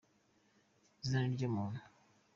Izina ni ryo muntu.